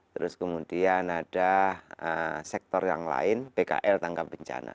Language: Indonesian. terus kemudian ada sektor yang lain pkl tangkap bencana